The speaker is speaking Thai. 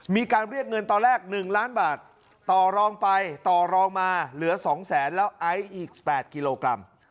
มีการเรียกเงินตอนแรก๑ล้านบาทต่อรองไปต่อรองมาเหลือ๒แสนแล้วไอซ์อีก๘กิโลกรัม